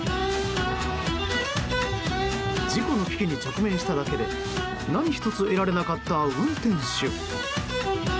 事故の危機に直面しただけで何一つ得られなかった運転手。